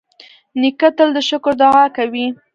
نیکه تل د شکر دعا کوي.